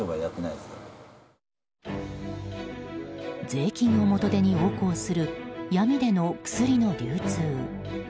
税金を元手に横行する闇での薬の流通。